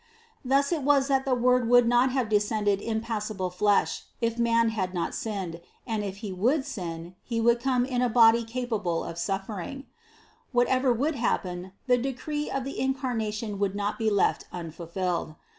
Thus it was that the Word would not have descended in passible flesh, if man had not sinned, and if he would sin, He would come in a body capable of suffering: whatever would happen the decree of the In carnation would not be left unfulfilled.